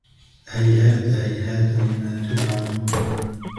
هيهات هيهات لما توعدون